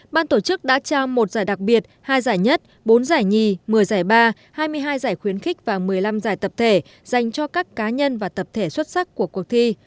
ban tổ chức đã trao một giải đặc biệt hai giải nhất bốn giải nhì một mươi giải ba hai mươi hai giải khuyến khích và một mươi năm giải tập thể dành cho các cá nhân và tập thể xuất sắc của cuộc thi